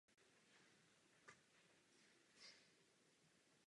Konzervativci se tedy zdrželi hlasování.